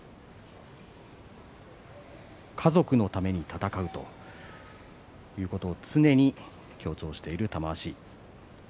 家族のために戦うということを常に強調している玉鷲。